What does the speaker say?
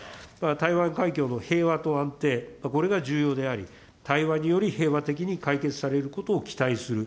台湾海峡の平和と安定、これが重要であり、対話により、平和的に解決されることを期待する。